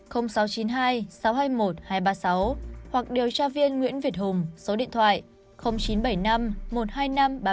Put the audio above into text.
sáu trăm chín mươi hai sáu trăm hai mươi một hai trăm ba mươi sáu hoặc điều tra viên nguyễn việt hùng số điện thoại chín trăm bảy mươi năm một mươi hai nghìn năm trăm ba mươi bảy